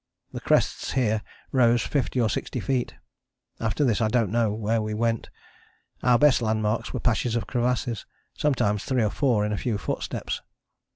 The crests here rose fifty or sixty feet. After this I don't know where we went. Our best landmarks were patches of crevasses, sometimes three or four in a few footsteps.